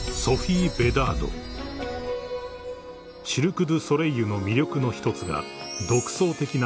［シルク・ドゥ・ソレイユの魅力の一つが］